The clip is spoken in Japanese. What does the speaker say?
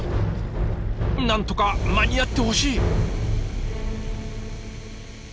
何とか間に合ってほしい！